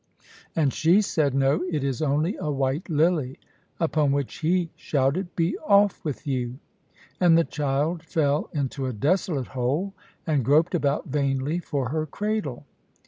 And she said, 'No, it is only a white lily.' Upon which he shouted, 'Be off with you!' And the child fell into a desolate hole, and groped about vainly for her cradle.